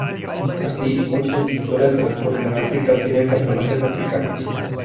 Así, muchas de sus historias transcurren en África o tienen personajes africanos.